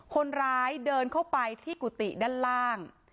คนร้ายเดินเข้าไปที่กุฏิด้านล่าง